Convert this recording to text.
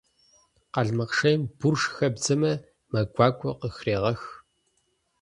Къалмыкъ шейм бурш хэбдзэмэ, мэ гуакӏуэ къыхрегъэх.